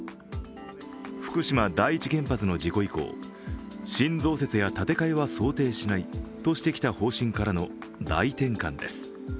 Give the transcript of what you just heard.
福島第一原発の事故以降新増設や建てかえは想定しないとしてきた方針からの大転換です。